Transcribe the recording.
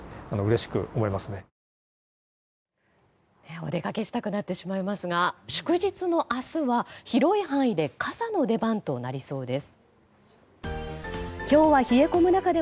お出かけしてくなってしまいますが祝日の明日は広い範囲で傘の出番となりそうです。